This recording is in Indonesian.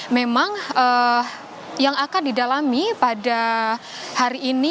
memang yang akan didalami pada hari ini